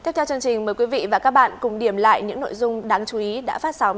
mời quý vị và các bạn cùng điểm lại những nội dung đáng chú ý đã phát sóng